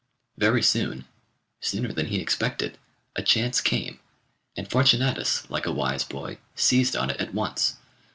Very soon sooner than he expected a chance came, and Fortunatus, like a wise boy, seized on it at once.